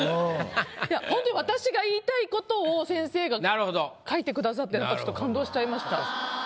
いやほんとに私が言いたいことを先生が書いてくださってなんかちょっと感動しちゃいました。